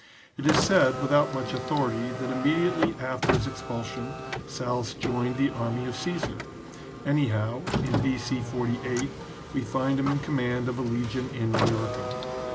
It is said, without much authority, that immediately after his expulsion Sallust joined the army of Caesar ; anyhow, in B.C. 48, we find him in command of a legion in Illyricum.